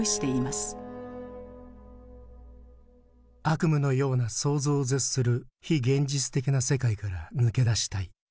「悪夢のような想像を絶する非現実的な世界から抜け出したい。